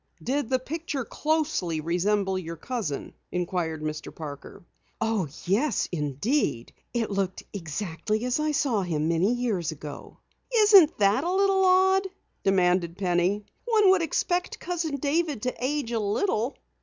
"Did the picture closely resemble your cousin?" inquired Mr. Parker. "Oh, yes, indeed. It looked exactly as I saw him many years ago." "Isn't that rather odd?" demanded Penny. "One would expect Cousin David to age a little."